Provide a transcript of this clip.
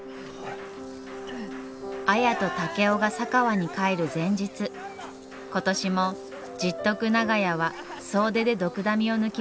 綾と竹雄が佐川に帰る前日今年も十徳長屋は総出でドクダミを抜きました。